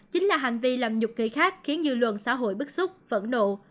chính là hành vi làm nhục cây khác khiến dư luận xã hội bức xúc phẫn nộ